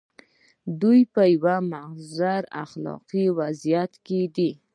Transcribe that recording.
دوی په یوه محض اخلاقي وضعیت کې دي.